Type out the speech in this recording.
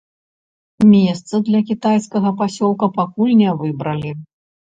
Месца для кітайскага пасёлка пакуль не выбралі.